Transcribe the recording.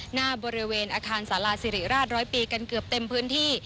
หน้าบริเวณอาคารสาราสิริราชร้อยปีกันเกือบเต็มพื้นที่